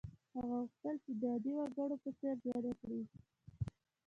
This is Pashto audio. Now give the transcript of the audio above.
هغه غوښتل چې د عادي وګړي په څېر ژوند وکړي.